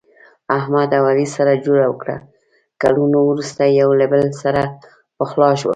احمد او علي سره جوړه وکړه، کلونه ورسته یو له بل سره پخلا شول.